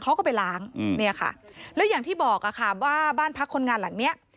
เขาก็ไปล้างเนี่ยค่ะแล้วอย่างที่บอกอะค่ะว่าบ้านพักคนงานหลังเนี้ย